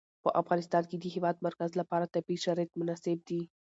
په افغانستان کې د د هېواد مرکز لپاره طبیعي شرایط مناسب دي.